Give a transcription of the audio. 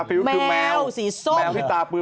กาฟิลล์คือแมวสีส้มแมวที่ตาปลือ